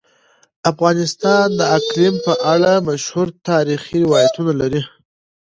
افغانستان د اقلیم په اړه مشهور تاریخی روایتونه لري.